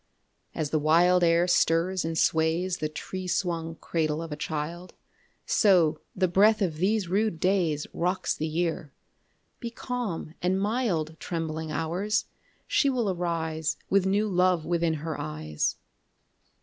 3. As the wild air stirs and sways The tree swung cradle of a child, So the breath of these rude days _15 Rocks the Year: be calm and mild, Trembling Hours, she will arise With new love within her eyes.